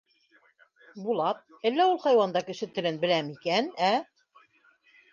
Булат, әллә ул хайуан да кеше телен беләме икән, ә?